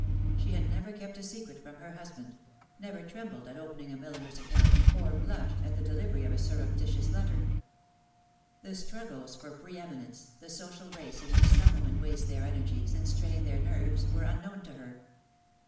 She had never kept a secret from her husband, never trembled at opening a milliner's account, or blushed at the delivery of a surreptitious letter. The struggles for preeminence, the social race in which some women waste their energies and strain their nerves, were unknown to her.